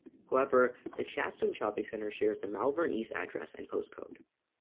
However, the Chadstone Shopping Centre shares the 'Malvern East' address and postcode.